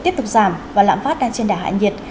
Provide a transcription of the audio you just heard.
tiếp tục giảm và lãm phát đang trên đà hạ nhiệt